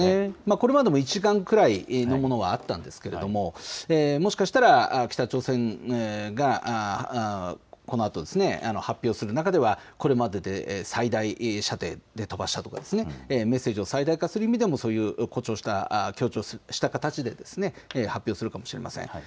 これまでも１時間くらいのものはあったんですけれどももしかしたら北朝鮮がこのあと発表する中ではこれまでで最大射程で飛ばしたとか、メッセージを最大化する意味でもメッセージを強調した形で発表するかもしれません。